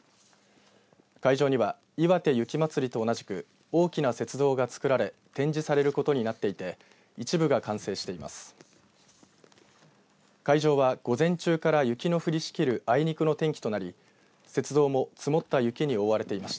会場にはいわて雪まつりと同じく大きな雪像が作られ展示されることになっていて一部が完成しています。